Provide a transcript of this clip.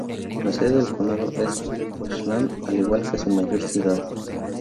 La sede del condado es Ashland, al igual que su mayor ciudad.